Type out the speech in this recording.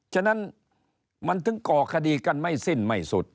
ฉะนั้นมันถึงก่อคดีกันไม่สิ้นไม่สุด